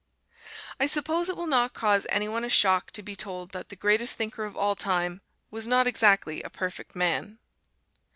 I suppose it will not cause any one a shock to be told that "the greatest thinker of all time" was not exactly a perfect man.